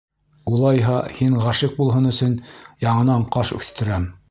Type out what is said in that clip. — Улайһа, һин ғашиҡ булһын өсөн яңынан ҡаш үҫтерәм.